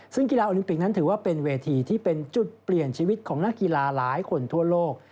ซึ่งกีฬาโอลิมปิกนั้นถือว่าเป็นเวทีที่เป็นจุดเปลี่ยนชีวิตของนักกีฬาหลายคนทั่วโลก